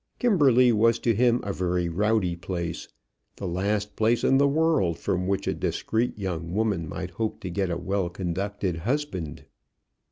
Kimberley was to him a very rowdy place, the last place in the world from which a discreet young woman might hope to get a well conducted husband.